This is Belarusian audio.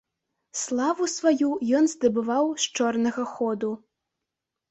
Славу сваю ён здабываў з чорнага ходу.